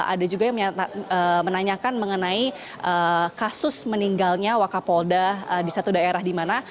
ada juga yang menanyakan mengenai kasus meninggalnya wakapolda di satu daerah di mana